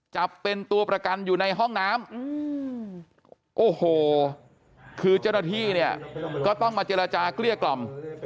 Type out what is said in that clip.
จับเป็นตัวประกันอยู่ในห้องน้ำโอ้โหคือเจ้าหน้าที่เนี่ยก็ต้องมาเจรจาเกลี้ยกล่อม